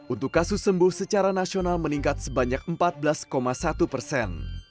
untuk kasus sembuh secara nasional meningkat sebanyak empat belas satu persen